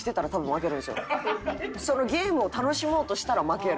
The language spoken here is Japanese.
ゲームを楽しもうとしたら負ける。